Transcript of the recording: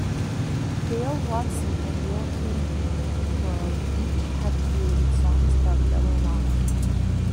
Dale Watson and Will Kimbrough each have created songs about Yellow Mama.